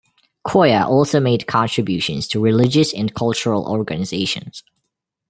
Koya also made contributions to religious and cultural organisations.